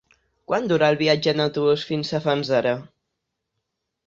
Quant dura el viatge en autobús fins a Fanzara?